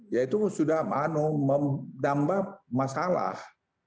ya itu sudah menambah masalah